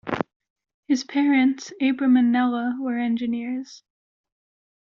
His parents, Abram and Nella, were engineers.